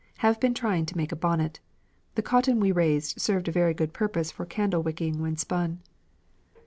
Have been trying to make a bonnet. The cotton we raised served a very good purpose for candle wicking when spun."